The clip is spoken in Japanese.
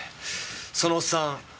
そのおっさん